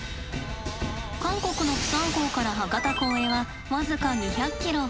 韓国の釜山港から博多港へは僅か２００ｋｍ。